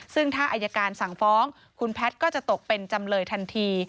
ซึ่งถ้าอายการสั่งฟ้องคุณแพทย์ก็จะตกเป็นจำเลยทันที